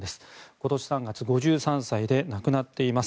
今年３月、５３歳で亡くなっています。